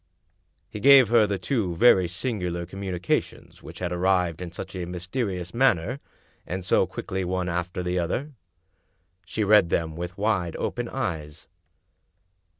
He gave her the two very singular communications which had arrived in such a mysterious manner, and so quickly one after the other. She read them with wide open eyes.